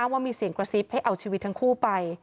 ว่ามีเสียงกระซิบให้เอาชีวิตทั้งคู่ไป